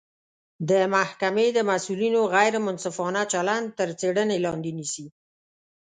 د محکمې د مسوولینو غیر منصفانه چلند تر څیړنې لاندې نیسي